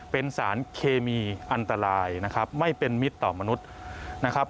เป็นสารเคมีอันตรายนะครับไม่เป็นมิตรต่อมนุษย์นะครับ